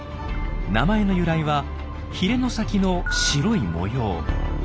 名前の由来はヒレの先の白い模様。